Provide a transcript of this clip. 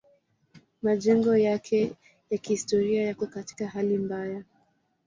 Majengo yake ya kihistoria yako katika hali mbaya.